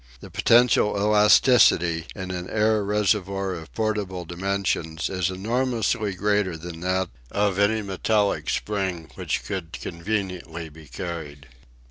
The potential elasticity in an air reservoir of portable dimensions is enormously greater than that of any metallic spring which could conveniently be carried.